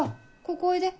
ここおいで。